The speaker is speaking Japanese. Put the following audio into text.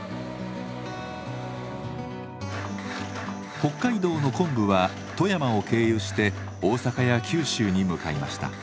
北海道の昆布は富山を経由して大阪や九州に向かいました。